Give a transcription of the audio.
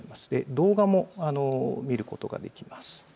動画も見ることができます。